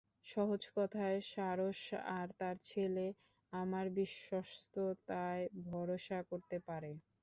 সহজ কথায়, সারস আর তার ছেলে আমার বিশ্বস্ততায় ভরসা করতে পারে।